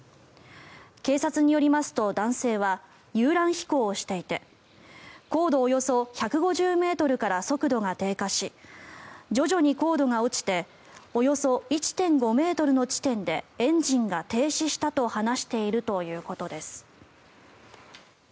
警察によりますと男性は遊覧飛行をしていて高度およそ１５０ｍから速度が低下し徐々に高度が落ちておよそ１．５ｍの地点でエンジンが停止したと話しているということです。